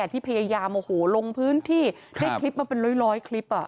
ที่พยายามโอ้โหลงพื้นที่ได้คลิปมาเป็นร้อยคลิป